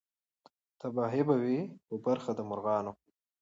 تباهي به وي په برخه د مرغانو